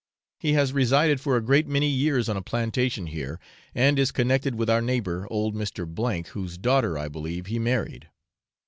He has resided for a great many years on a plantation here, and is connected with our neighbour, old Mr. C , whose daughter, I believe, he married.